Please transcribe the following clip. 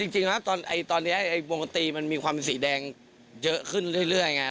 จริงครับตอนนี้วงตีมันมีความสีแดงเยอะขึ้นเรื่อยอย่างนี้